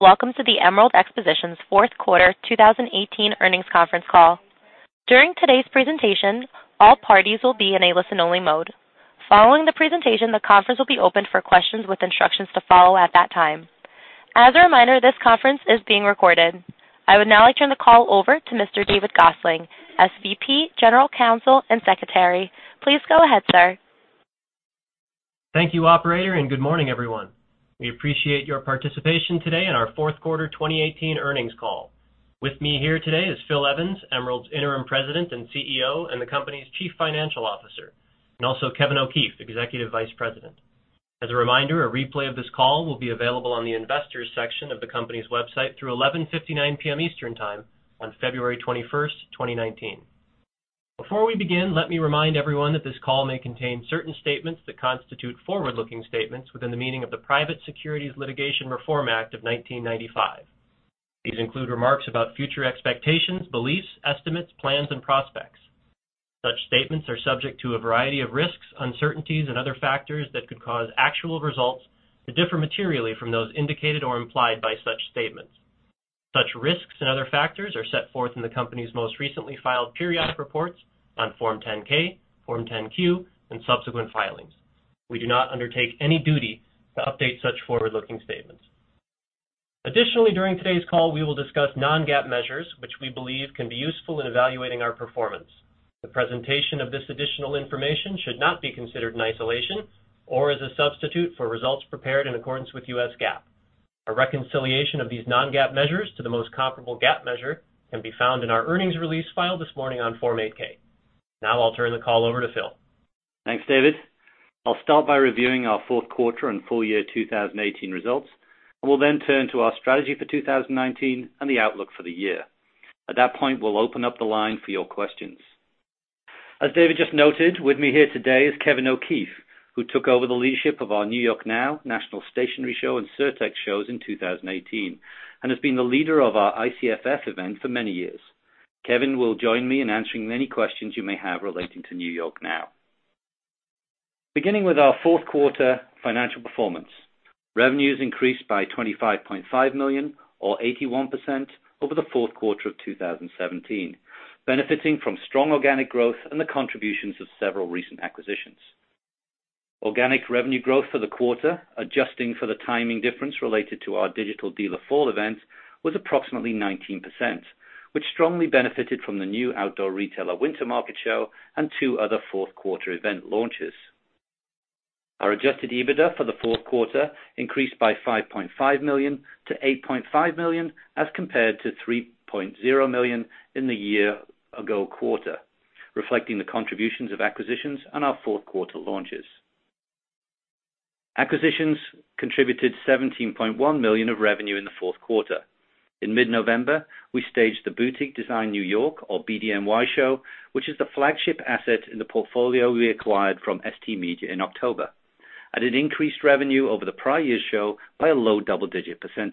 Welcome to the Emerald Expositions fourth quarter 2018 earnings conference call. During today's presentation, all parties will be in a listen-only mode. Following the presentation, the conference will be opened for questions with instructions to follow at that time. As a reminder, this conference is being recorded. I would now like to turn the call over to Mr. David Gosling, SVP, General Counsel and Secretary. Please go ahead, sir. Thank you, operator, and good morning, everyone. We appreciate your participation today in our fourth quarter 2018 earnings call. With me here today is Phil Evans, Emerald's Interim President and CEO, and the company's Chief Financial Officer, and also Kevin O'Keefe, Executive Vice President. As a reminder, a replay of this call will be available on the investors section of the company's website through 11:59 P.M. Eastern Time on February 21st, 2019. Before we begin, let me remind everyone that this call may contain certain statements that constitute forward-looking statements within the meaning of the Private Securities Litigation Reform Act of 1995. These include remarks about future expectations, beliefs, estimates, plans, and prospects. Such statements are subject to a variety of risks, uncertainties, and other factors that could cause actual results to differ materially from those indicated or implied by such statements. Such risks and other factors are set forth in the company's most recently filed periodic reports on Form 10-K, Form 10-Q, and subsequent filings. We do not undertake any duty to update such forward-looking statements. Additionally, during today's call, we will discuss non-GAAP measures, which we believe can be useful in evaluating our performance. The presentation of this additional information should not be considered in isolation or as a substitute for results prepared in accordance with U.S. GAAP. A reconciliation of these non-GAAP measures to the most comparable GAAP measure can be found in our earnings release filed this morning on Form 8-K. Now I'll turn the call over to Phil. Thanks, David. I'll start by reviewing our fourth quarter and full year 2018 results. We'll then turn to our strategy for 2019 and the outlook for the year. At that point, we'll open up the line for your questions. As David just noted, with me here today is Kevin O'Keefe, who took over the leadership of our New York NOW, National Stationery Show, and SURTEX shows in 2018 and has been the leader of our ICFF event for many years. Kevin will join me in answering any questions you may have relating to New York NOW. Beginning with our fourth quarter financial performance, revenues increased by $25.5 million or 81% over the fourth quarter of 2017, benefiting from strong organic growth and the contributions of several recent acquisitions. Organic revenue growth for the quarter, adjusting for the timing difference related to our Digital Dealer Fall event, was approximately 19%, which strongly benefited from the new Outdoor Retailer Winter Market show and two other fourth-quarter event launches. Our adjusted EBITDA for the fourth quarter increased by $5.5 million to $8.5 million, as compared to $3.0 million in the year-ago quarter, reflecting the contributions of acquisitions and our fourth-quarter launches. Acquisitions contributed $17.1 million of revenue in the fourth quarter. In mid-November, we staged the Boutique Design New York, or BDNY show, which is the flagship asset in the portfolio we acquired from ST Media in October. It increased revenue over the prior year's show by a low double-digit %.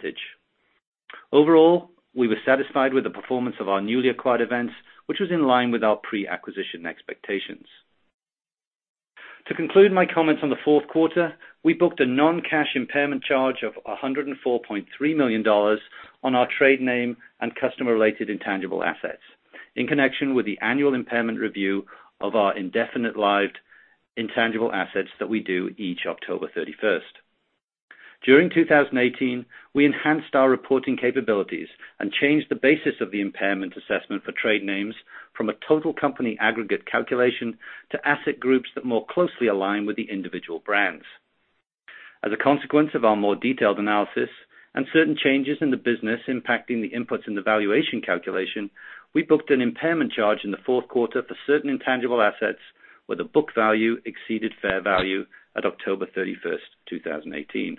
Overall, we were satisfied with the performance of our newly acquired events, which was in line with our pre-acquisition expectations. To conclude my comments on the fourth quarter, we booked a non-cash impairment charge of $104.3 million on our trade name and customer-related intangible assets in connection with the annual impairment review of our indefinite lived intangible assets that we do each October 31st. During 2018, we enhanced our reporting capabilities and changed the basis of the impairment assessment for trade names from a total company aggregate calculation to asset groups that more closely align with the individual brands. As a consequence of our more detailed analysis and certain changes in the business impacting the inputs and the valuation calculation, we booked an impairment charge in the fourth quarter for certain intangible assets where the book value exceeded fair value at October 31st, 2018.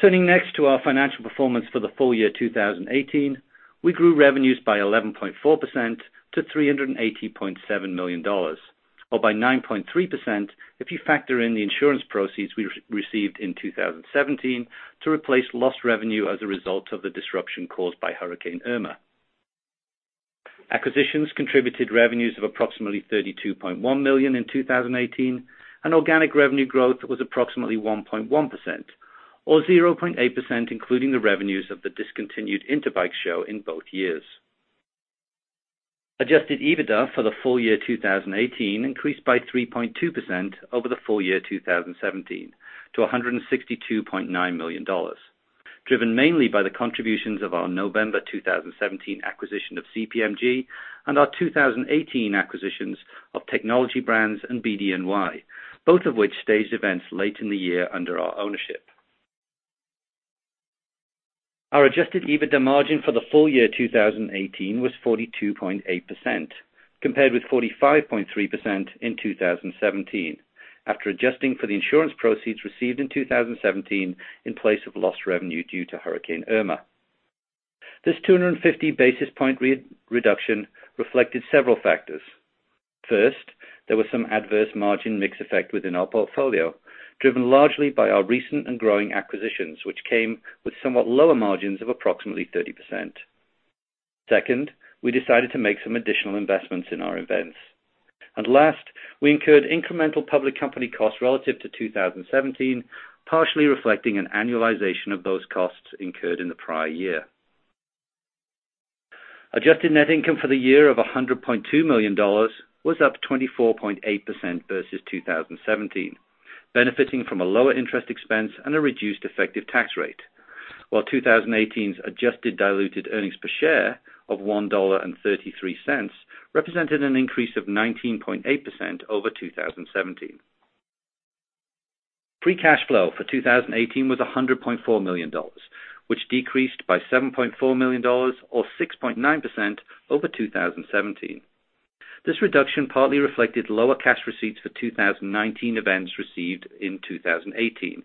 Turning next to our financial performance for the full year 2018, we grew revenues by 11.4% to $380.7 million, or by 9.3% if you factor in the insurance proceeds we received in 2017 to replace lost revenue as a result of the disruption caused by Hurricane Irma. Acquisitions contributed revenues of approximately $32.1 million in 2018, and organic revenue growth was approximately 1.1%, or 0.8%, including the revenues of the discontinued Interbike Show in both years. Adjusted EBITDA for the full year 2018 increased by 3.2% over the full year 2017 to $162.9 million, driven mainly by the contributions of our November 2017 acquisition of CPMG and our 2018 acquisitions of Technology Brands and BDNY, both of which staged events late in the year under our ownership. Our adjusted EBITDA margin for the full year 2018 was 42.8%, compared with 45.3% in 2017, after adjusting for the insurance proceeds received in 2017 in place of lost revenue due to Hurricane Irma. This 250-basis-point reduction reflected several factors. First, there was some adverse margin mix effect within our portfolio, driven largely by our recent and growing acquisitions, which came with somewhat lower margins of approximately 30%. Second, we decided to make some additional investments in our events. Last, we incurred incremental public company costs relative to 2017, partially reflecting an annualization of those costs incurred in the prior year. Adjusted net income for the year of $100.2 million was up 24.8% versus 2017, benefiting from a lower interest expense and a reduced effective tax rate. While 2018's adjusted diluted earnings per share of $1.33 represented an increase of 19.8% over 2017. Free cash flow for 2018 was $100.4 million, which decreased by $7.4 million, or 6.9%, over 2017. This reduction partly reflected lower cash receipts for 2019 events received in 2018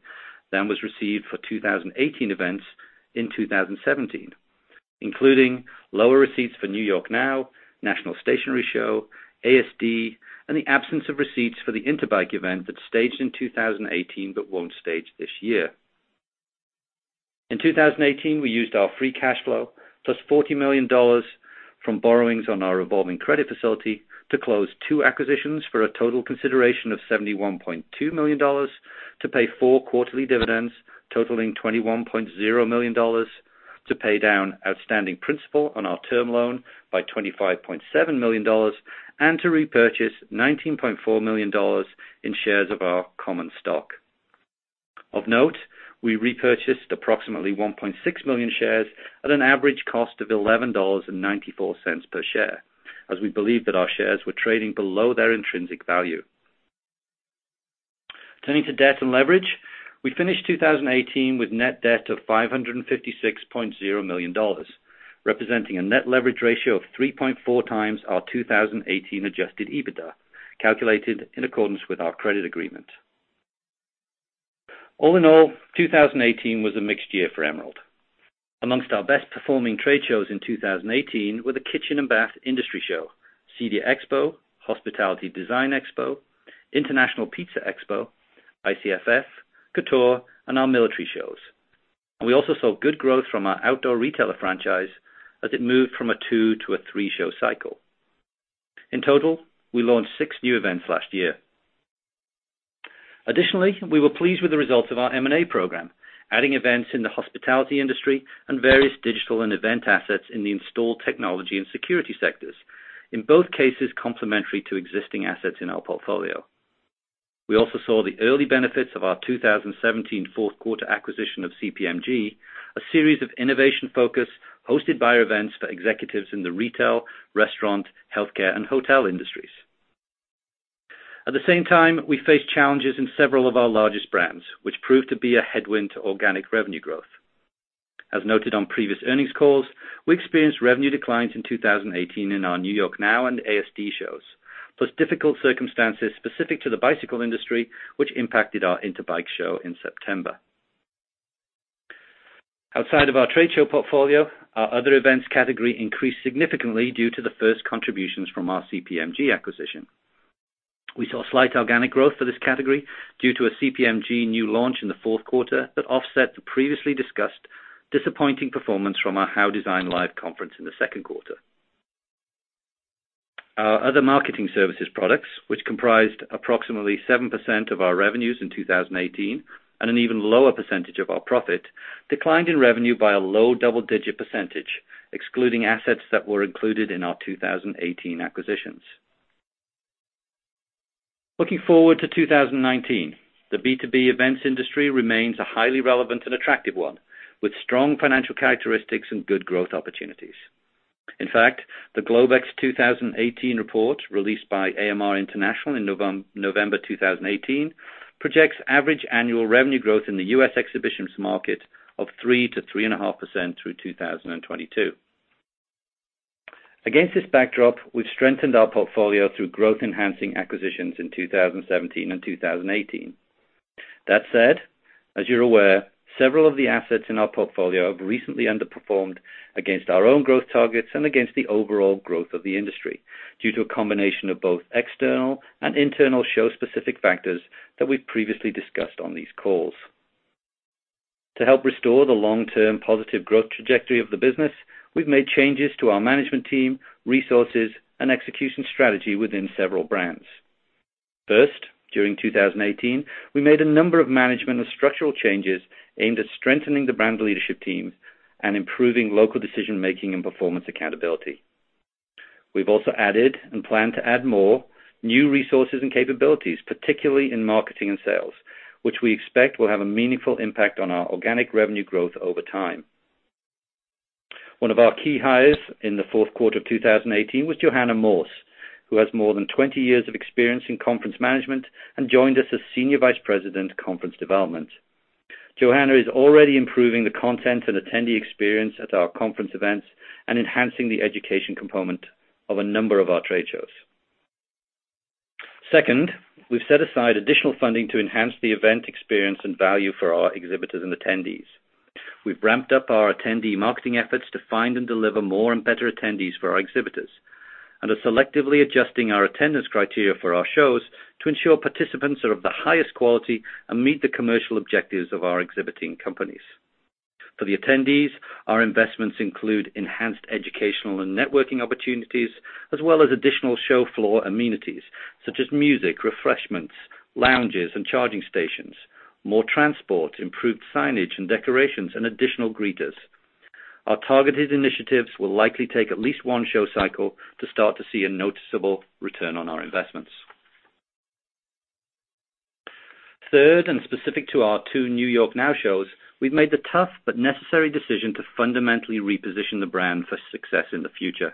than was received for 2018 events in 2017, including lower receipts for NY NOW, National Stationery Show, ASD, and the absence of receipts for the Interbike event that staged in 2018, but won't stage this year. In 2018, we used our free cash flow, plus $40 million from borrowings on our revolving credit facility to close two acquisitions for a total consideration of $71.2 million, to pay four quarterly dividends totaling $21.0 million, to pay down outstanding principal on our term loan by $25.7 million and to repurchase $19.4 million in shares of our common stock. Of note, we repurchased approximately 1.6 million shares at an average cost of $11.94 per share, as we believe that our shares were trading below their intrinsic value. Turning to debt and leverage, we finished 2018 with net debt of $556.0 million, representing a net leverage ratio of 3.4 times our 2018 adjusted EBITDA, calculated in accordance with our credit agreement. All in all, 2018 was a mixed year for Emerald. Amongst our best-performing trade shows in 2018 were the Kitchen and Bath Industry Show, CEDIA Expo, Hospitality Design Expo, International Pizza Expo, ICFF, Couture, and our military shows. We also saw good growth from our Outdoor Retailer franchise as it moved from a two to a three-show cycle. In total, we launched six new events last year. Additionally, we were pleased with the results of our M&A program, adding events in the hospitality industry and various digital and event assets in the installed technology and security sectors. In both cases, complementary to existing assets in our portfolio. We also saw the early benefits of our 2017 fourth quarter acquisition of CPMG, a series of innovation-focused, hosted by events for executives in the retail, restaurant, healthcare, and hotel industries. At the same time, we faced challenges in several of our largest brands, which proved to be a headwind to organic revenue growth. As noted on previous earnings calls, we experienced revenue declines in 2018 in our NY NOW and ASD shows, plus difficult circumstances specific to the bicycle industry, which impacted our Interbike show in September. Outside of our trade show portfolio, our other events category increased significantly due to the first contributions from our CPMG acquisition. We saw slight organic growth for this category due to a CPMG new launch in the fourth quarter that offset the previously discussed disappointing performance from our HOW Design Live conference in the second quarter. Our other marketing services products, which comprised approximately 7% of our revenues in 2018 and an even lower percentage of our profit, declined in revenue by a low double-digit percentage, excluding assets that were included in our 2018 acquisitions. Looking forward to 2019, the B2B events industry remains a highly relevant and attractive one, with strong financial characteristics and good growth opportunities. In fact, the Globex 2018 report, released by AMR International in November 2018, projects average annual revenue growth in the U.S. exhibitions market of 3% to 3.5% through 2022. Against this backdrop, we've strengthened our portfolio through growth-enhancing acquisitions in 2017 and 2018. That said, as you're aware, several of the assets in our portfolio have recently underperformed against our own growth targets and against the overall growth of the industry due to a combination of both external and internal show-specific factors that we've previously discussed on these calls. To help restore the long-term positive growth trajectory of the business, we've made changes to our management team, resources, and execution strategy within several brands. First, during 2018, we made a number of management and structural changes aimed at strengthening the brand leadership teams and improving local decision-making and performance accountability. We've also added and plan to add more new resources and capabilities, particularly in marketing and sales, which we expect will have a meaningful impact on our organic revenue growth over time. One of our key hires in the fourth quarter of 2018 was Johanna Morse, who has more than 20 years of experience in conference management and joined us as senior vice president, conference development. Johanna is already improving the content and attendee experience at our conference events and enhancing the education component of a number of our trade shows. Second, we've set aside additional funding to enhance the event experience and value for our exhibitors and attendees. We've ramped up our attendee marketing efforts to find and deliver more and better attendees for our exhibitors. Are selectively adjusting our attendance criteria for our shows to ensure participants are of the highest quality and meet the commercial objectives of our exhibiting companies. For the attendees, our investments include enhanced educational and networking opportunities, as well as additional show floor amenities such as music, refreshments, lounges, and charging stations, more transport, improved signage and decorations, and additional greeters. Our targeted initiatives will likely take at least one show cycle to start to see a noticeable return on our investments. Third, and specific to our two NY NOW shows, we've made the tough but necessary decision to fundamentally reposition the brand for success in the future.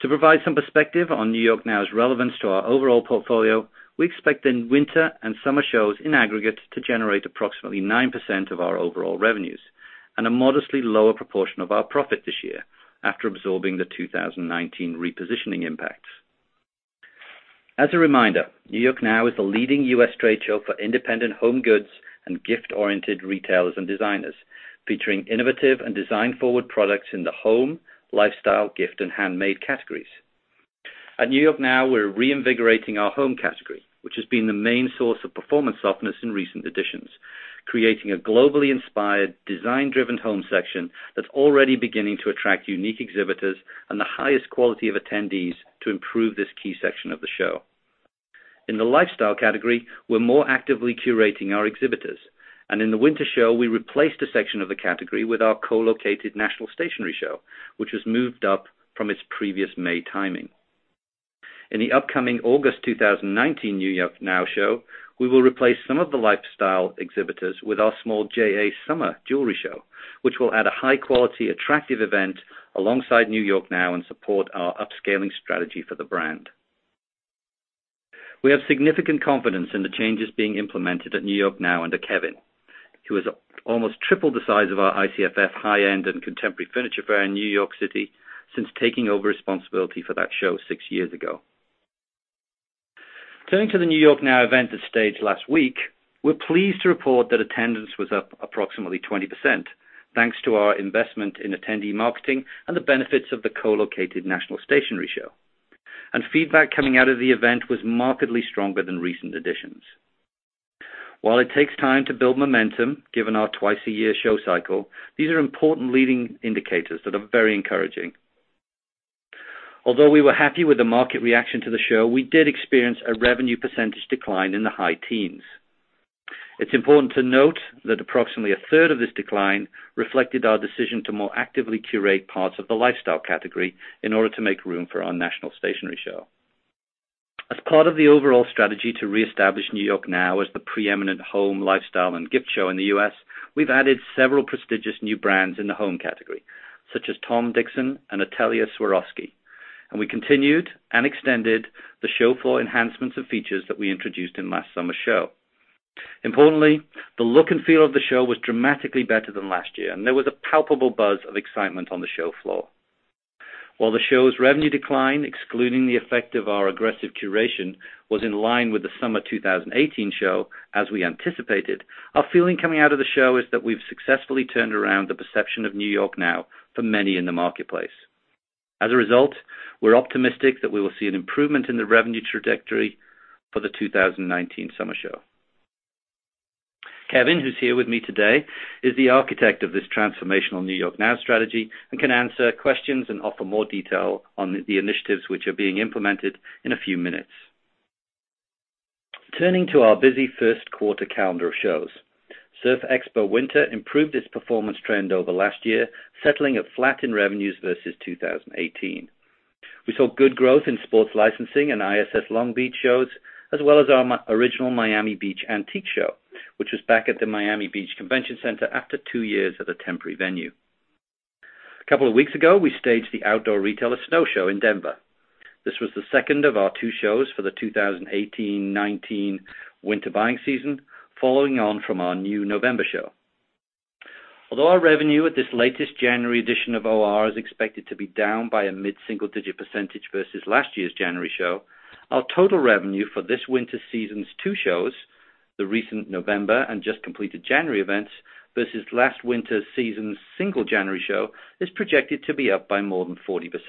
To provide some perspective on NY NOW's relevance to our overall portfolio, we expect the winter and summer shows in aggregate to generate approximately 9% of our overall revenues. A modestly lower proportion of our profit this year, after absorbing the 2019 repositioning impacts. As a reminder, NY NOW is the leading U.S. trade show for independent home goods and gift-oriented retailers and designers, featuring innovative and design-forward products in the home, lifestyle, gift, and handmade categories. At NY NOW, we're reinvigorating our home category, which has been the main source of performance softness in recent editions. Creating a globally inspired, design-driven home section that's already beginning to attract unique exhibitors and the highest quality of attendees to improve this key section of the show. In the lifestyle category, we're more actively curating our exhibitors, and in the winter show, we replaced a section of the category with our co-located National Stationery Show, which was moved up from its previous May timing. In the upcoming August 2019 NY NOW show, we will replace some of the lifestyle exhibitors with our small JA Summer Jewelry Show, which will add a high-quality, attractive event alongside NY NOW and support our upscaling strategy for the brand. We have significant confidence in the changes being implemented at NY NOW under Kevin, who has almost tripled the size of our ICFF High End and Contemporary Furniture Fair in New York City since taking over responsibility for that show six years ago. Turning to the NY NOW event that staged last week, we're pleased to report that attendance was up approximately 20%, thanks to our investment in attendee marketing and the benefits of the co-located National Stationery Show. Feedback coming out of the event was markedly stronger than recent editions. While it takes time to build momentum, given our twice-a-year show cycle, these are important leading indicators that are very encouraging. Although we were happy with the market reaction to the show, we did experience a revenue percentage decline in the high teens. It's important to note that approximately a third of this decline reflected our decision to more actively curate parts of the lifestyle category in order to make room for our National Stationery Show. As part of the overall strategy to reestablish NY NOW as the preeminent home, lifestyle, and gift show in the U.S., we've added several prestigious new brands in the home category, such as Tom Dixon and Atelier Swarovski. We continued and extended the show floor enhancements of features that we introduced in last summer's show. Importantly, the look and feel of the show was dramatically better than last year. There was a palpable buzz of excitement on the show floor. While the show's revenue decline, excluding the effect of our aggressive curation, was in line with the summer 2018 show, as we anticipated, our feeling coming out of the show is that we've successfully turned around the perception of NY NOW for many in the marketplace. As a result, we're optimistic that we will see an improvement in the revenue trajectory for the 2019 summer show. Kevin, who's here with me today, is the architect of this transformational NY NOW strategy and can answer questions and offer more detail on the initiatives which are being implemented in a few minutes. Turning to our busy first quarter calendar of shows. Surf Expo Winter improved its performance trend over last year, settling at flat in revenues versus 2018. We saw good growth in Sports Licensing and ISS Long Beach shows, as well as The Original Miami Beach Antique Show, which was back at the Miami Beach Convention Center after two years at a temporary venue. A couple of weeks ago, we staged the Outdoor Retailer Snow Show in Denver. This was the second of our two shows for the 2018-2019 winter buying season, following on from our new November show. Although our revenue at this latest January edition of OR is expected to be down by a mid-single-digit percentage versus last year's January show, our total revenue for this winter season's two shows, the recent November and just completed January events, versus last winter season's single January show, is projected to be up by more than 40%,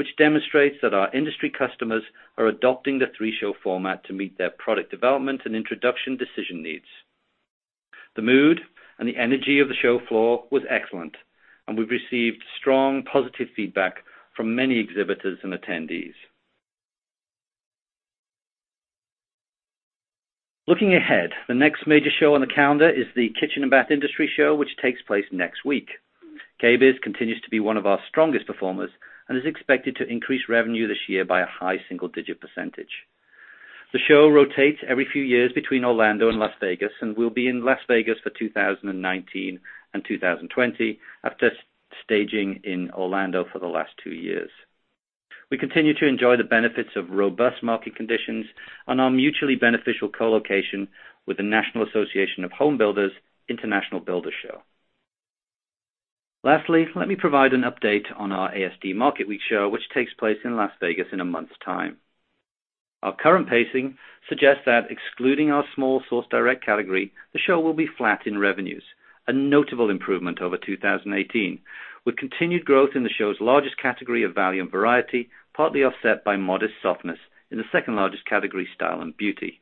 which demonstrates that our industry customers are adopting the three-show format to meet their product development and introduction decision needs. The mood and the energy of the show floor was excellent, and we've received strong positive feedback from many exhibitors and attendees. Looking ahead, the next major show on the calendar is the Kitchen & Bath Industry Show, which takes place next week. KBIS continues to be one of our strongest performers and is expected to increase revenue this year by a high single-digit percentage. The show rotates every few years between Orlando and Las Vegas and will be in Las Vegas for 2019 and 2020 after staging in Orlando for the last two years. We continue to enjoy the benefits of robust market conditions and our mutually beneficial co-location with the National Association of Home Builders International Builders' Show. Lastly, let me provide an update on our ASD Market Week Show, which takes place in Las Vegas in a month's time. Our current pacing suggests that excluding our small SourceDirect category, the show will be flat in revenues, a notable improvement over 2018, with continued growth in the show's largest category of Value and Variety, partly offset by modest softness in the 2 largest category, Style and Beauty.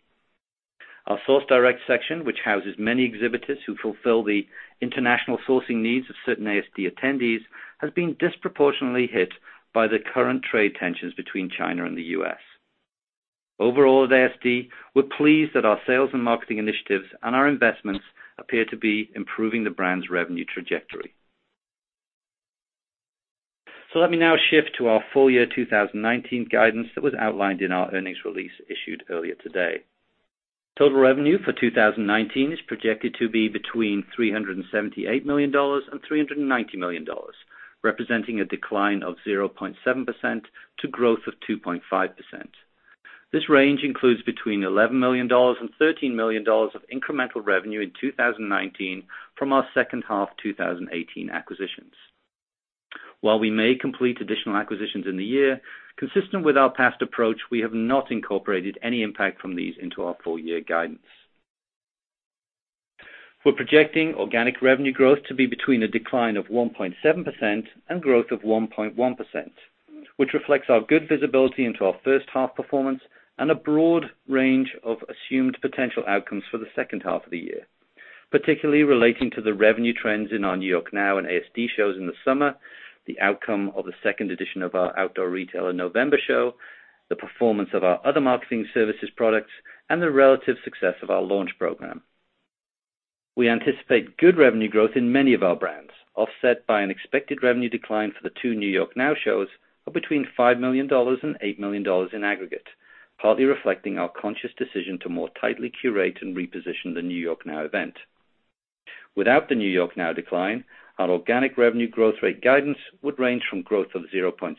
Our SourceDirect section, which houses many exhibitors who fulfill the international sourcing needs of certain ASD attendees, has been disproportionately hit by the current trade tensions between China and the U.S. Overall, at ASD, we're pleased that our sales and marketing initiatives and our investments appear to be improving the brand's revenue trajectory. Let me now shift to our full year 2019 guidance that was outlined in our earnings release issued earlier today. Total revenue for 2019 is projected to be between $378 million and $390 million, representing a decline of 0.7% to growth of 2.5%. This range includes between $11 million and $13 million of incremental revenue in 2019 from our second half 2018 acquisitions. While we may complete additional acquisitions in the year, consistent with our past approach, we have not incorporated any impact from these into our full year guidance. We're projecting organic revenue growth to be between a decline of 1.7% and growth of 1.1%, which reflects our good visibility into our first half performance and a broad range of assumed potential outcomes for the second half of the year, particularly relating to the revenue trends in our New York NOW and ASD shows in the summer, the outcome of the second edition of our Outdoor Retailer November Show, the performance of our other marketing services products, and the relative success of our launch program. We anticipate good revenue growth in many of our brands, offset by an expected revenue decline for the two New York NOW shows of between $5 million and $8 million in aggregate, partly reflecting our conscious decision to more tightly curate and reposition the New York NOW event. Without the NY NOW decline, our organic revenue growth rate guidance would range from growth of 0.6%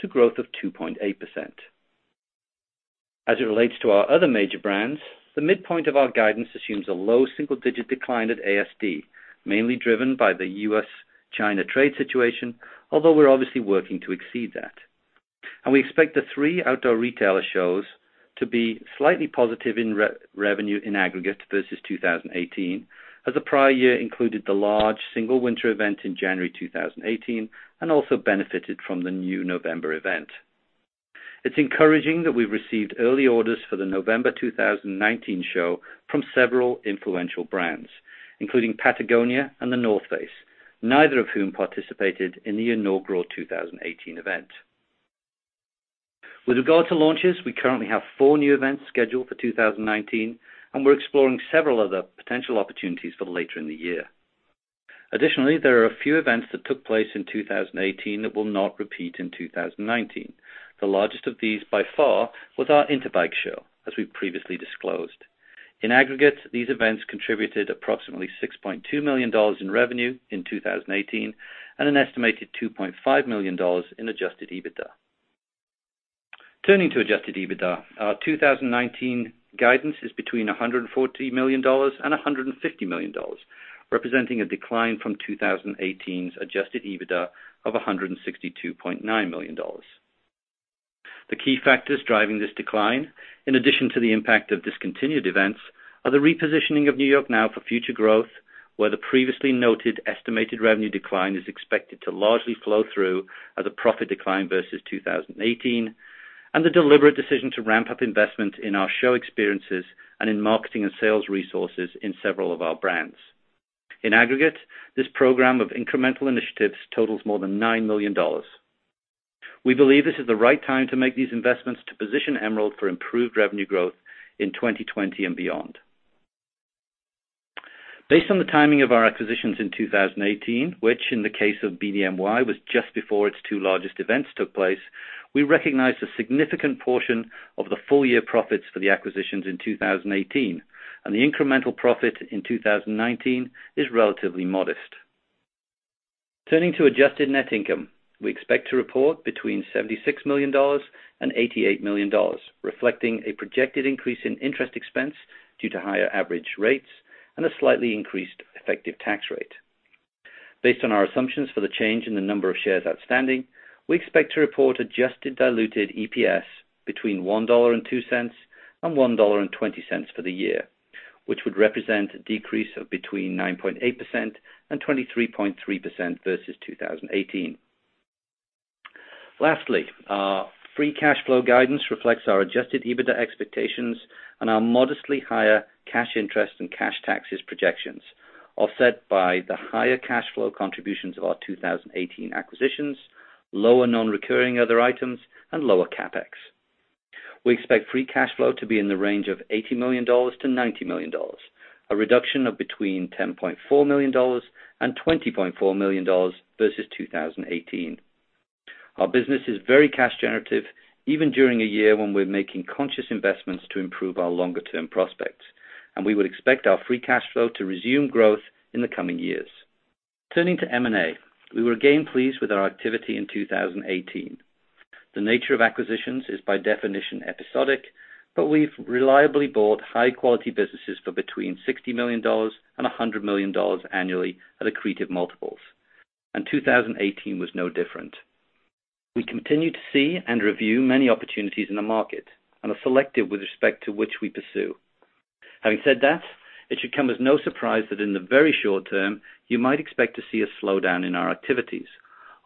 to growth of 2.8%. As it relates to our other major brands, the midpoint of our guidance assumes a low single-digit decline at ASD, mainly driven by the U.S.-China trade situation, although we're obviously working to exceed that. We expect the three Outdoor Retailer shows to be slightly positive in revenue in aggregate versus 2018, as the prior year included the large single winter event in January 2018, and also benefited from the new November event. It's encouraging that we've received early orders for the November 2019 show from several influential brands, including Patagonia and The North Face, neither of whom participated in the inaugural 2018 event. With regard to launches, we currently have 4 new events scheduled for 2019, and we're exploring several other potential opportunities for later in the year. Additionally, there are a few events that took place in 2018 that will not repeat in 2019. The largest of these, by far, was our Interbike show, as we previously disclosed. In aggregate, these events contributed approximately $6.2 million in revenue in 2018 and an estimated $2.5 million in adjusted EBITDA. Turning to adjusted EBITDA, our 2019 guidance is between $140 million and $150 million, representing a decline from 2018's adjusted EBITDA of $162.9 million. The key factors driving this decline, in addition to the impact of discontinued events, are the repositioning of NY NOW for future growth, where the previously noted estimated revenue decline is expected to largely flow through as a profit decline versus 2018, and the deliberate decision to ramp up investment in our show experiences and in marketing and sales resources in several of our brands. In aggregate, this program of incremental initiatives totals more than $9 million. We believe this is the right time to make these investments to position Emerald for improved revenue growth in 2020 and beyond. Based on the timing of our acquisitions in 2018, which in the case of BDNY, was just before its two largest events took place, we recognized a significant portion of the full year profits for the acquisitions in 2018, and the incremental profit in 2019 is relatively modest. Turning to adjusted net income, we expect to report between $76 million and $88 million, reflecting a projected increase in interest expense due to higher average rates and a slightly increased effective tax rate. Based on our assumptions for the change in the number of shares outstanding, we expect to report adjusted diluted EPS between $1.02 and $1.20 for the year, which would represent a decrease of between 9.8% and 23.3% versus 2018. Lastly, our free cash flow guidance reflects our adjusted EBITDA expectations and our modestly higher cash interest and cash taxes projections, offset by the higher cash flow contributions of our 2018 acquisitions, lower non-recurring other items, and lower CapEx. We expect free cash flow to be in the range of $80 million to $90 million, a reduction of between $10.4 million and $20.4 million versus 2018. Our business is very cash generative, even during a year when we're making conscious investments to improve our longer-term prospects, we would expect our free cash flow to resume growth in the coming years. Turning to M&A, we were again pleased with our activity in 2018. The nature of acquisitions is by definition episodic, but we've reliably bought high-quality businesses for between $60 million and $100 million annually at accretive multiples. 2018 was no different. We continue to see and review many opportunities in the market and are selective with respect to which we pursue. Having said that, it should come as no surprise that in the very short term, you might expect to see a slowdown in our activities.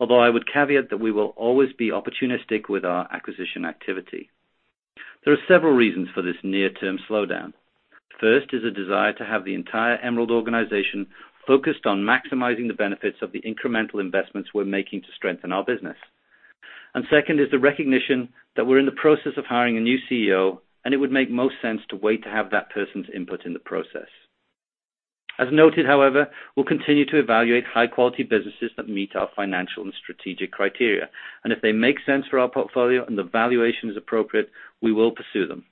I would caveat that we will always be opportunistic with our acquisition activity. There are several reasons for this near-term slowdown. First is a desire to have the entire Emerald organization focused on maximizing the benefits of the incremental investments we're making to strengthen our business. Second is the recognition that we're in the process of hiring a new CEO, and it would make most sense to wait to have that person's input in the process. As noted, however, we'll continue to evaluate high-quality businesses that meet our financial and strategic criteria. If they make sense for our portfolio and the valuation is appropriate, we will pursue them.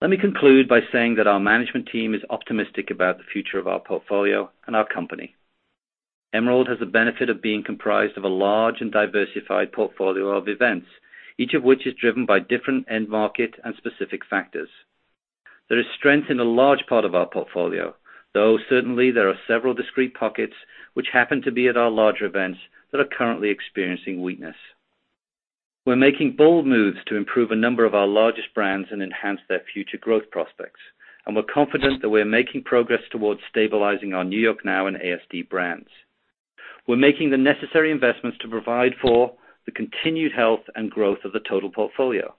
Let me conclude by saying that our management team is optimistic about the future of our portfolio and our company. Emerald has the benefit of being comprised of a large and diversified portfolio of events, each of which is driven by different end market and specific factors. There is strength in a large part of our portfolio, though certainly there are several discrete pockets, which happen to be at our larger events, that are currently experiencing weakness. We're making bold moves to improve a number of our largest brands and enhance their future growth prospects. We're confident that we're making progress towards stabilizing our NY NOW and ASD brands. We're making the necessary investments to provide for the continued health and growth of the total portfolio.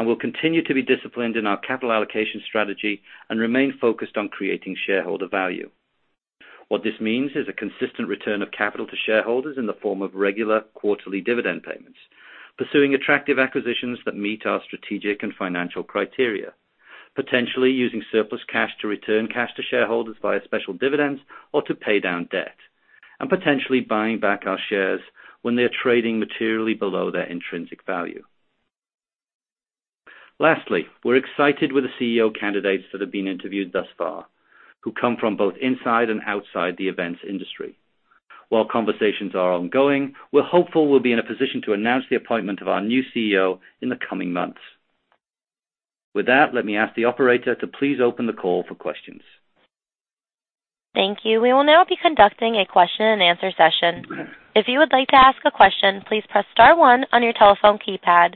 We'll continue to be disciplined in our capital allocation strategy and remain focused on creating shareholder value. What this means is a consistent return of capital to shareholders in the form of regular quarterly dividend payments, pursuing attractive acquisitions that meet our strategic and financial criteria, potentially using surplus cash to return cash to shareholders via special dividends or to pay down debt, and potentially buying back our shares when they're trading materially below their intrinsic value. Lastly, we're excited with the CEO candidates that have been interviewed thus far, who come from both inside and outside the events industry. While conversations are ongoing, we're hopeful we'll be in a position to announce the appointment of our new CEO in the coming months. Let me ask the operator to please open the call for questions. Thank you. We will now be conducting a question-and-answer session. If you would like to ask a question, please press star one on your telephone keypad.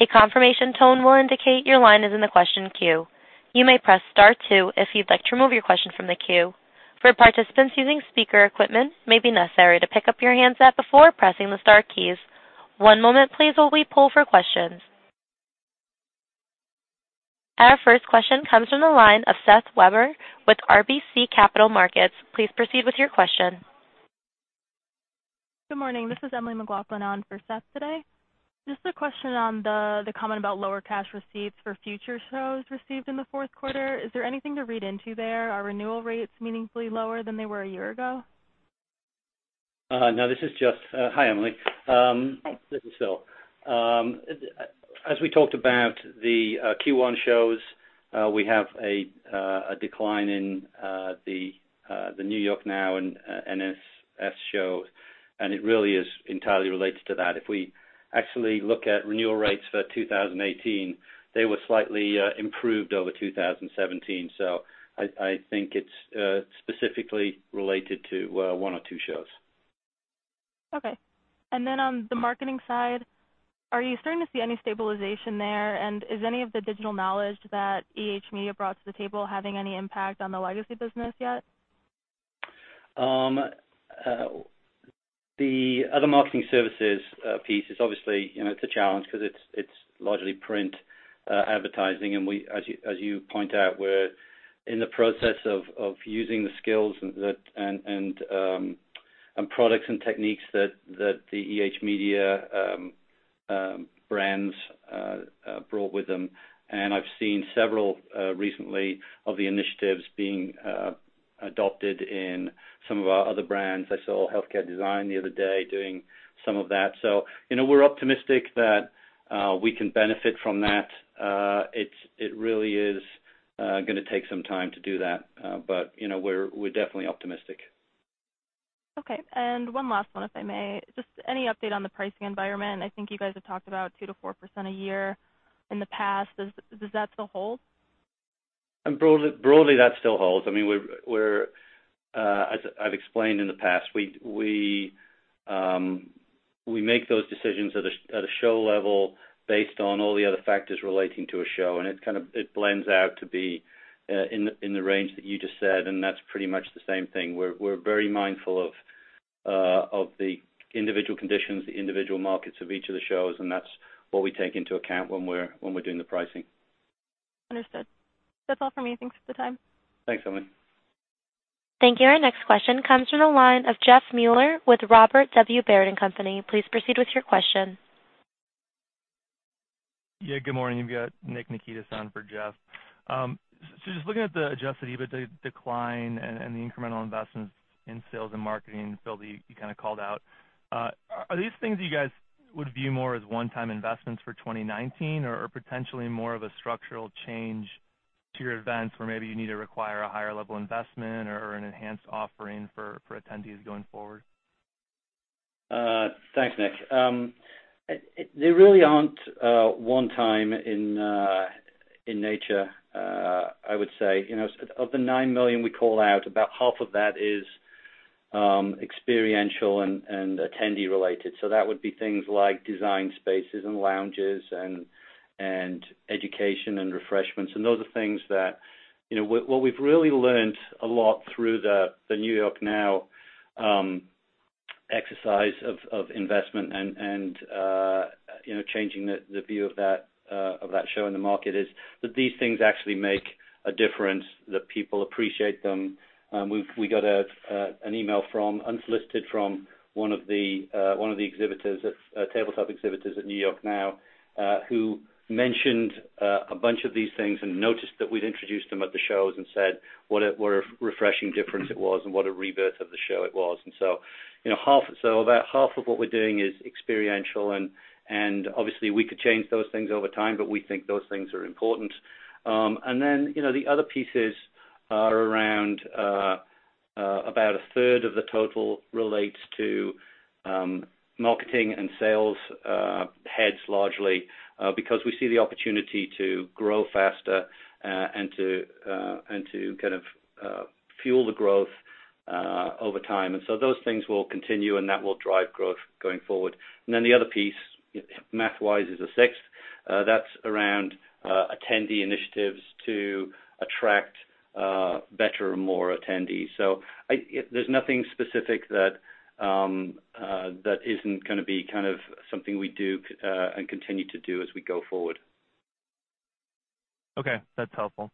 A confirmation tone will indicate your line is in the question queue. You may press star two if you'd like to remove your question from the queue. For participants using speaker equipment, it may be necessary to pick up your handset before pressing the star keys. One moment please while we poll for questions. Our first question comes from the line of Seth Weber with RBC Capital Markets. Please proceed with your question. Good morning. This is Emily McLaughlin on for Seth today. Just a question on the comment about lower cash receipts for future shows received in the fourth quarter. Is there anything to read into there? Are renewal rates meaningfully lower than they were a year ago? No, this is Hi, Emily. Hi. This is Phil. As we talked about the Q1 shows, we have a decline in the NY NOW and NSS shows, it really is entirely related to that. If we actually look at renewal rates for 2018, they were slightly improved over 2017. I think it's specifically related to one or two shows. On the marketing side, are you starting to see any stabilization there? Is any of the digital knowledge that EH Media brought to the table having any impact on the legacy business yet? The other marketing services piece is obviously, it's a challenge because it's largely print advertising. As you point out, we're in the process of using the skills and products and techniques that the EH Media brands brought with them. I've seen several recently of the initiatives being adopted in some of our other brands. I saw Healthcare Design the other day doing some of that. We're optimistic that we can benefit from that. It really is going to take some time to do that. We're definitely optimistic. Okay. One last one, if I may. Just any update on the pricing environment? I think you guys have talked about 2%-4% a year in the past. Does that still hold? Broadly, that still holds. As I've explained in the past, we make those decisions at a show level based on all the other factors relating to a show, and it blends out to be in the range that you just said, and that's pretty much the same thing. We're very mindful of the individual conditions, the individual markets of each of the shows, and that's what we take into account when we're doing the pricing. Understood. That's all for me. Thanks for the time. Thanks, Emily. Thank you. Our next question comes from the line of Jeff Mueller with Robert W. Baird & Co.. Please proceed with your question. Good morning. You've got Nick Nikitas on for Jeff. Just looking at the adjusted EBITDA decline and the incremental investments in sales and marketing, Phil, that you called out. Are these things that you guys would view more as one-time investments for 2019 or potentially more of a structural change to your events where maybe you need to require a higher level investment or an enhanced offering for attendees going forward? Thanks, Nick. They really aren't one-time in nature, I would say. Of the $9 million we call out, about half of that is experiential and attendee-related. That would be things like design spaces and lounges and education and refreshments. Those are things that what we've really learned a lot through the New York NOW exercise of investment and changing the view of that show in the market, is that these things actually make a difference, that people appreciate them. We got an email unsolicited from one of the tabletop exhibitors at New York NOW, who mentioned a bunch of these things and noticed that we'd introduced them at the shows and said what a refreshing difference it was and what a rebirth of the show it was. About half of what we're doing is experiential, and obviously, we could change those things over time, but we think those things are important. The other pieces are around about a third of the total relates to marketing and sales heads largely, because we see the opportunity to grow faster, and to kind of fuel the growth over time. Those things will continue, and that will drive growth going forward. The other piece, math-wise is a sixth, that's around attendee initiatives to attract better or more attendees. There's nothing specific that isn't going to be something we do and continue to do as we go forward. Okay. That's helpful.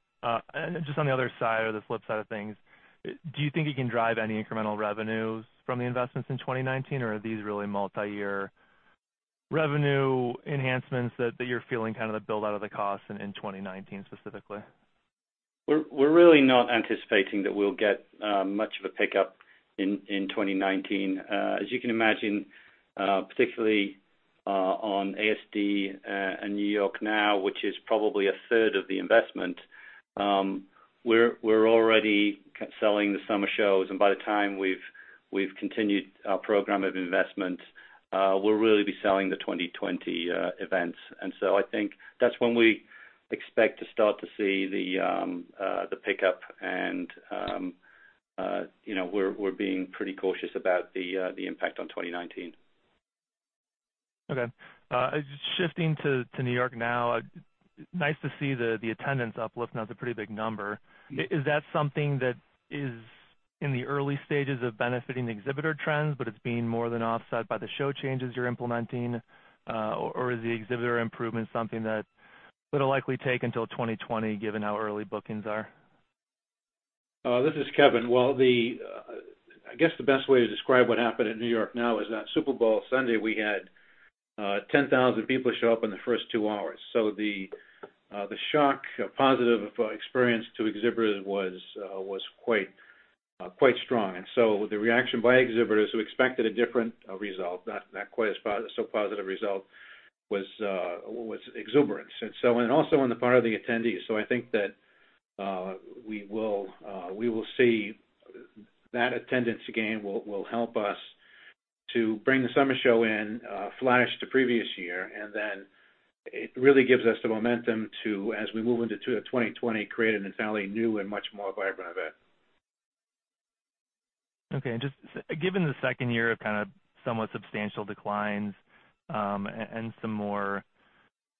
Just on the other side or the flip side of things, do you think you can drive any incremental revenues from the investments in 2019? Are these really multiyear revenue enhancements that you're feeling kind of the buildout of the costs in 2019 specifically? We're really not anticipating that we'll get much of a pickup in 2019. As you can imagine, particularly, on ASD, New York NOW, which is probably a third of the investment, we're already selling the summer shows, and by the time we've continued our program of investment, we'll really be selling the 2020 events. I think that's when we expect to start to see the pickup and we're being pretty cautious about the impact on 2019. Okay. Just shifting to NY NOW. Nice to see the attendance uplift, that's a pretty big number. Is that something that is in the early stages of benefiting exhibitor trends, but it's being more than offset by the show changes you're implementing? Is the exhibitor improvement something that would likely take until 2020, given how early bookings are? This is Kevin. Well, I guess the best way to describe what happened at NY NOW is that Super Bowl Sunday, we had 10,000 people show up in the first two hours. The shock positive experience to exhibitors was quite strong. The reaction by exhibitors who expected a different result, not quite so positive result, was exuberant. Also on the part of the attendees. I think that, we will see that attendance gain will help us to bring the summer show in flash to previous year, it really gives us the momentum to, as we move into 2020, create an entirely new and much more vibrant event. Okay. Just given the second year of kind of somewhat substantial declines, some more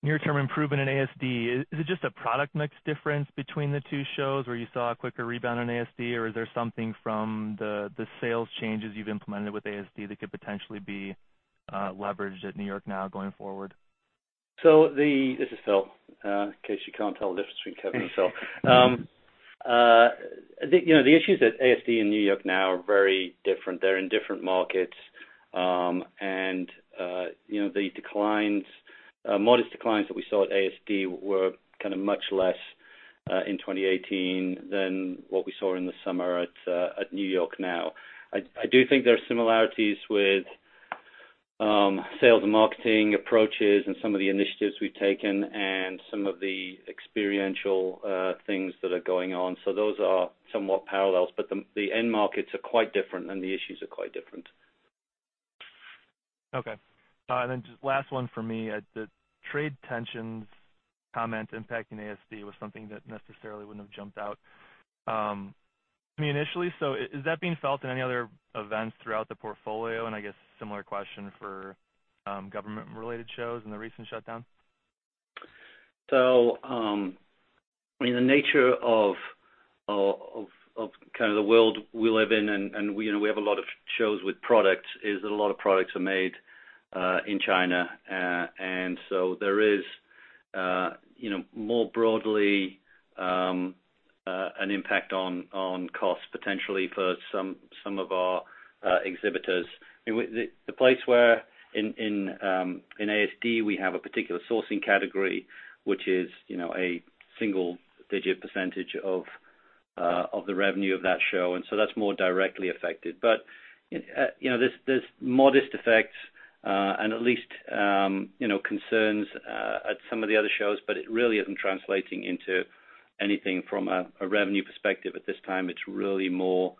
near-term improvement in ASD, is it just a product mix difference between the two shows where you saw a quicker rebound on ASD, or is there something from the sales changes you've implemented with ASD that could potentially be leveraged at NY NOW going forward? This is Phil, in case you can't tell the difference between Kevin and Phil. The issues at ASD and NY NOW are very different. They're in different markets. The modest declines that we saw at ASD were kind of much less in 2018 than what we saw in the summer at NY NOW. I do think there are similarities with sales and marketing approaches and some of the initiatives we've taken and some of the experiential things that are going on. Those are somewhat parallels, the end markets are quite different, the issues are quite different. Just last one for me. The trade tensions comment impacting ASD was something that necessarily wouldn't have jumped out initially. Is that being felt in any other events throughout the portfolio? I guess similar question for government-related shows and the recent shutdown. In the nature of kind of the world we live in, we have a lot of shows with products, is that a lot of products are made in China. There is more broadly, an impact on cost potentially for some of our exhibitors. The place where in ASD, we have a particular sourcing category, which is a single-digit percentage of the revenue of that show, and so that's more directly affected. There's modest effects and at least concerns at some of the other shows, but it really isn't translating into anything from a revenue perspective at this time. It's really more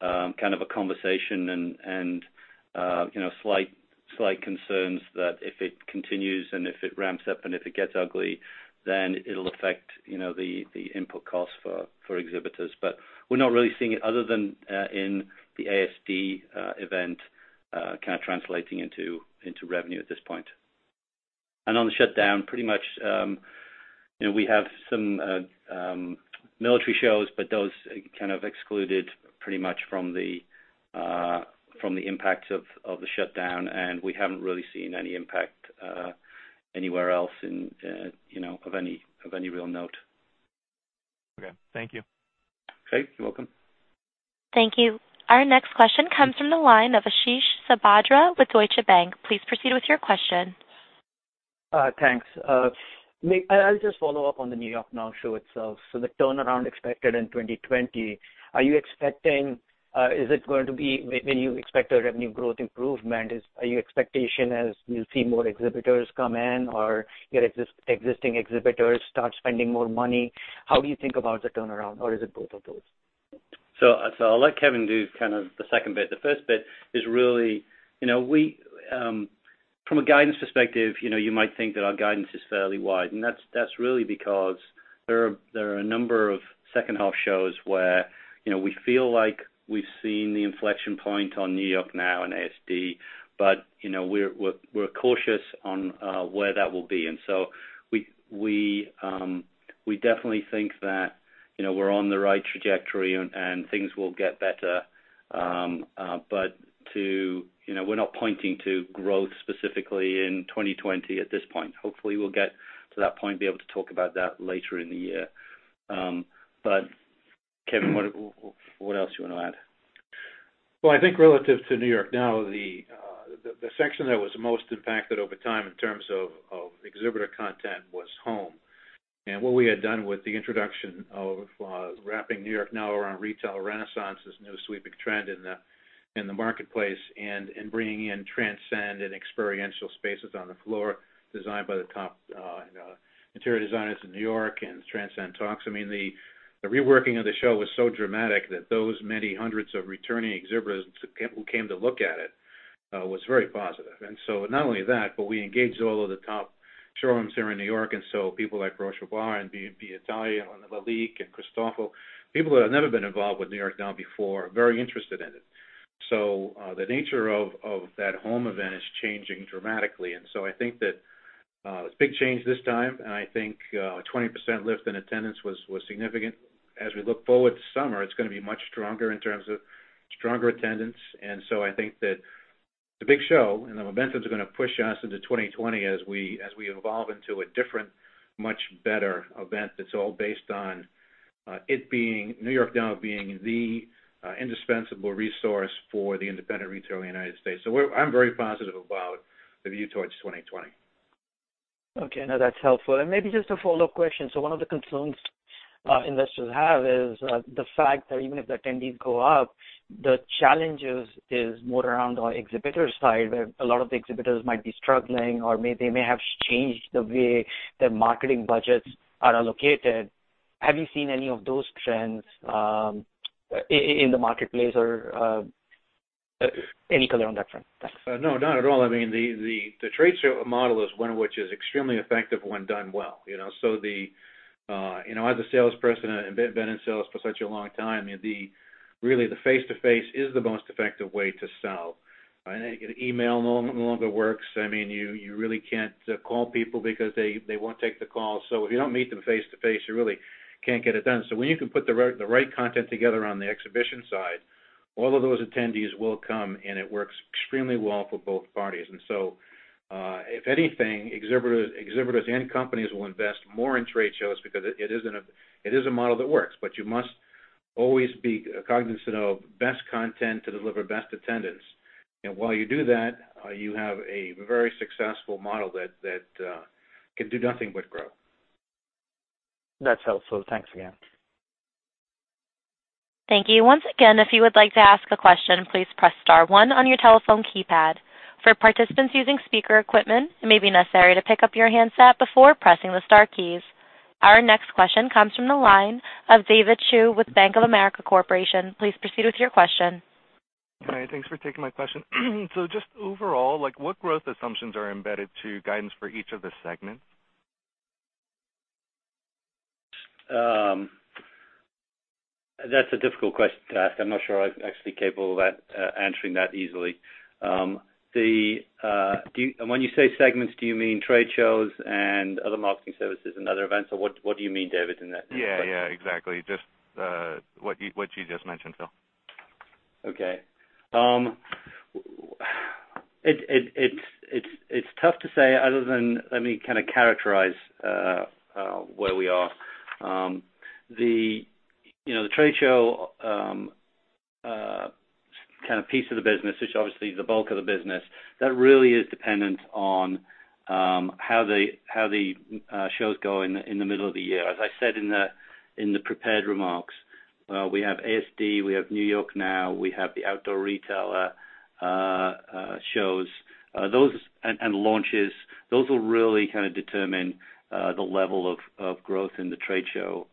kind of a conversation and slight concerns that if it continues and if it ramps up and if it gets ugly, then it'll affect the input costs for exhibitors. We're not really seeing it, other than in the ASD event, kind of translating into revenue at this point. On the shutdown, pretty much, we have some military shows, but those kind of excluded pretty much from the impact of the shutdown, and we haven't really seen any impact anywhere else of any real note. Okay. Thank you. Okay. You're welcome. Thank you. Our next question comes from the line of Ashish Sabadra with Deutsche Bank. Please proceed with your question. Thanks. I'll just follow up on the NY NOW show itself. The turnaround expected in 2020, when you expect a revenue growth improvement, are your expectation as we'll see more exhibitors come in or existing exhibitors start spending more money? How do you think about the turnaround, or is it both of those? I'll let Kevin do the second bit. The first bit is really, from a guidance perspective, you might think that our guidance is fairly wide, and that's really because there are a number of second half shows where we feel like we've seen the inflection point on NY NOW and ASD, we definitely think that we're on the right trajectory, and things will get better. We're not pointing to growth specifically in 2020 at this point. Hopefully, we'll get to that point, be able to talk about that later in the year. Kevin, what else you want to add? Well, I think relative to New York NOW, the section that was most impacted over time in terms of exhibitor content was home. What we had done with the introduction of wrapping New York NOW around Retail Renaissance, this new sweeping trend in the marketplace, and in bringing in Transcend and experiential spaces on the floor designed by the top interior designers in New York and Transcend Talks. I mean, the reworking of the show was so dramatic that those many hundreds of returning exhibitors who came to look at it was very positive. Not only that, but we engaged all of the top showrooms here in New York. People like Roche Bobois and B&B Italia, Lalique, and Christofle, people that have never been involved with New York NOW before, are very interested in it. The nature of that home event is changing dramatically. I think that big change this time, and I think a 20% lift in attendance was significant. As we look forward to summer, it's going to be much stronger in terms of stronger attendance. I think that the big show and the momentum's going to push us into 2020 as we evolve into a different, much better event that's all based on New York NOW being the indispensable resource for the independent retail in the United States. I'm very positive about the view towards 2020. Okay. No, that's helpful. Maybe just a follow-up question. One of the concerns investors have is the fact that even if the attendees go up, the challenges is more around our exhibitor side, where a lot of the exhibitors might be struggling, or they may have changed the way their marketing budgets are allocated. Have you seen any of those trends in the marketplace or any color on that front? Thanks. No, not at all. I mean, the trade show model is one which is extremely effective when done well. As a salesperson, I've been in sales for such a long time, really the face-to-face is the most effective way to sell. I think an email no longer works. You really can't call people because they won't take the call. If you don't meet them face-to-face, you really can't get it done. When you can put the right content together on the exhibition side, all of those attendees will come, and it works extremely well for both parties. If anything, exhibitors and companies will invest more in trade shows because it is a model that works, but you must always be cognizant of best content to deliver best attendance. While you do that, you have a very successful model that can do nothing but grow. That's helpful. Thanks again. Thank you. Once again, if you would like to ask a question, please press star one on your telephone keypad. For participants using speaker equipment, it may be necessary to pick up your handset before pressing the star keys. Our next question comes from the line of David Chiu with Bank of America Corporation. Please proceed with your question. Hi. Thanks for taking my question. Just overall, what growth assumptions are embedded to guidance for each of the segments? That's a difficult question to ask. I'm not sure I'm actually capable of answering that easily. When you say segments, do you mean trade shows and other marketing services and other events, or what do you mean, David, in that question? Yeah, exactly. Just what you just mentioned, Phil. Okay. It's tough to say other than, let me kind of characterize where we are. The trade show kind of piece of the business, which is obviously the bulk of the business, that really is dependent on how the shows go in the middle of the year. As I said in the prepared remarks. Well, we have ASD, we have NY NOW, we have the Outdoor Retailer shows, and launches. Those will really kind of determine the level of growth in the trade show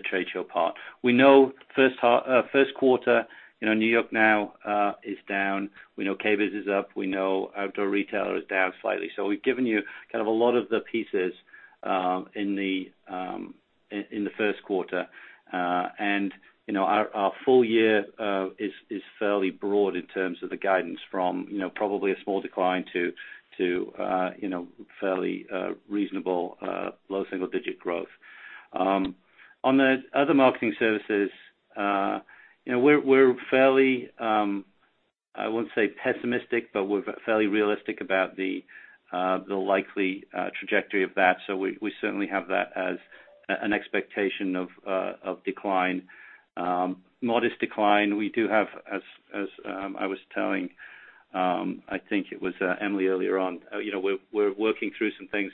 part. We know first quarter, NY NOW is down. We know KBIS is up. We know Outdoor Retailer is down slightly. We've given you kind of a lot of the pieces in the first quarter. Our full year is fairly broad in terms of the guidance from probably a small decline to fairly reasonable low single-digit growth. On the other marketing services, we're fairly, I wouldn't say pessimistic, but we're fairly realistic about the likely trajectory of that. We certainly have that as an expectation of decline. Modest decline. We do have, as I was telling, I think it was Emily earlier on, we're working through some things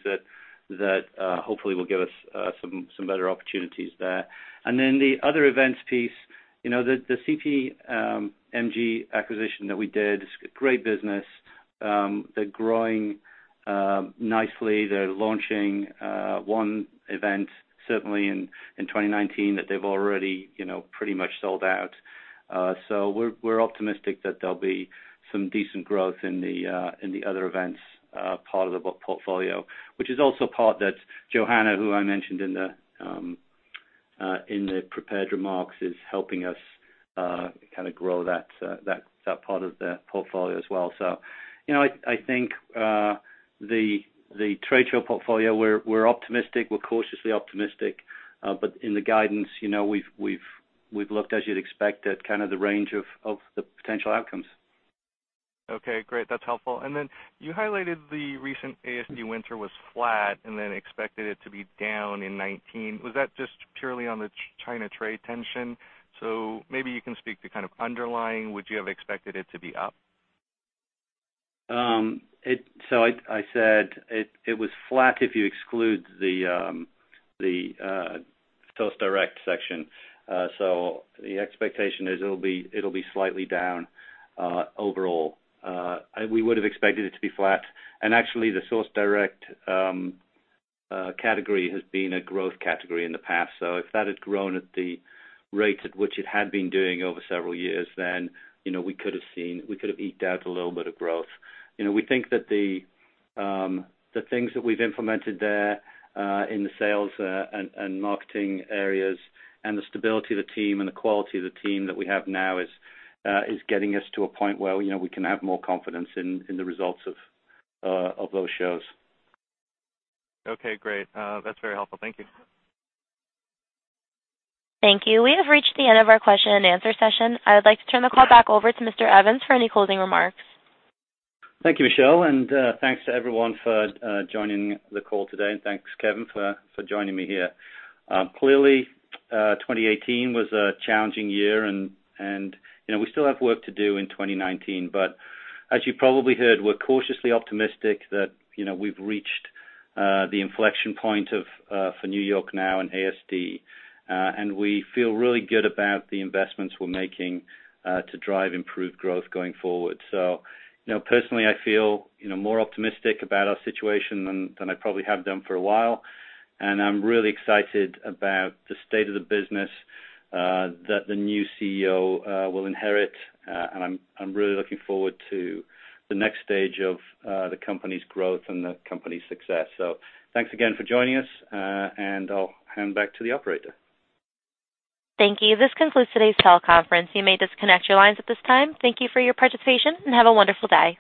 that hopefully will give us some better opportunities there. The other events piece, the CPMG acquisition that we did, it's great business. They're growing nicely. They're launching one event, certainly in 2019, that they've already pretty much sold out. We're optimistic that there'll be some decent growth in the other events part of the book portfolio. Which is also a part that Johanna, who I mentioned in the prepared remarks, is helping us kind of grow that part of the portfolio as well. I think the trade show portfolio, we're optimistic. We're cautiously optimistic. In the guidance, we've looked, as you'd expect, at kind of the range of the potential outcomes. Okay, great. That's helpful. You highlighted the recent ASD winter was flat and then expected it to be down in 2019. Was that just purely on the China trade tension? Maybe you can speak to kind of underlying, would you have expected it to be up? I said it was flat if you exclude the SourceDirect section. The expectation is it'll be slightly down overall. We would've expected it to be flat. Actually, the SourceDirect category has been a growth category in the past. If that had grown at the rate at which it had been doing over several years, then we could've eked out a little bit of growth. We think that the things that we've implemented there in the sales and marketing areas, and the stability of the team, and the quality of the team that we have now is getting us to a point where we can have more confidence in the results of those shows. Okay, great. That's very helpful. Thank you. Thank you. We have reached the end of our question and answer session. I would like to turn the call back over to Mr. Evans for any closing remarks. Thank you, Michelle, thanks to everyone for joining the call today. Thanks, Kevin, for joining me here. Clearly, 2018 was a challenging year, and we still have work to do in 2019. As you probably heard, we're cautiously optimistic that we've reached the inflection point for NY NOW and ASD. We feel really good about the investments we're making to drive improved growth going forward. Personally, I feel more optimistic about our situation than I probably have done for a while. I'm really excited about the state of the business that the new CEO will inherit. I'm really looking forward to the next stage of the company's growth and the company's success. Thanks again for joining us, and I'll hand back to the operator. Thank you. This concludes today's teleconference. You may disconnect your lines at this time. Thank you for your participation, and have a wonderful day.